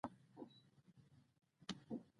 ازادي راډیو د کډوال د اغیزو په اړه مقالو لیکلي.